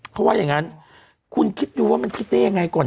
เขาว่าอย่างนั้นคุณคิดดูว่ามันคิดได้ยังไงก่อน